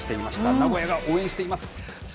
名古屋が応援しています。